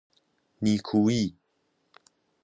نیکوئی